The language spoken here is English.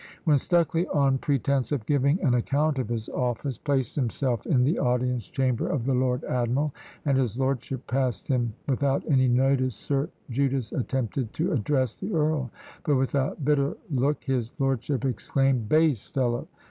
When Stucley, on pretence of giving an account of his office, placed himself in the audience chamber of the lord admiral, and his lordship passed him without any notice, Sir Judas attempted to address the earl; but with a bitter look his lordship exclaimed "Base fellow!